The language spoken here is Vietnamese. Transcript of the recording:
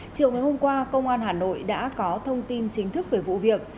chiều ngày hôm qua công an hà nội đã có thông tin chính thức về vụ việc